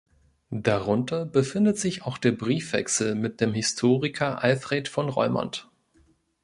Darunter befindet sich auch der Briefwechsel mit dem Historiker Alfred von Reumont.